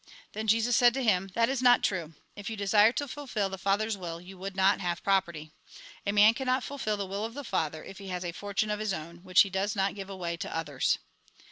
Then Jesus said to him :" That is not true ; if you desire to fulfil the Father's will, you would not have property. A man cannot fulfil the will of the Father, if he has a fortune of his own, which he does not give away to others."